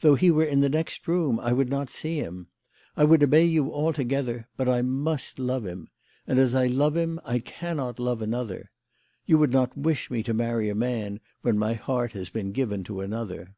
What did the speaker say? Though he were in the next room I would not see him. I would obey you altogether, but I must love him. And as I love him I cannot love another. You would not wish me to marry a man when my heart has been given to another."